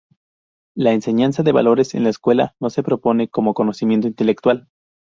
La enseñanza de valores en la escuela no se propone como conocimiento intelectual.